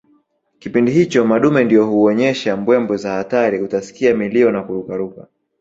Kipindi hicho madume ndio huonyesha mbwembwe za hatari utasikia milio na kurukaruka